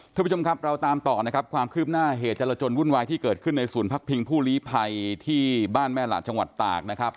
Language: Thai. ทุกผู้ชมครับเราตามต่อนะครับความคืบหน้าเหตุจรจนวุ่นวายที่เกิดขึ้นในศูนย์พักพิงผู้ลีภัยที่บ้านแม่หละจังหวัดตากนะครับ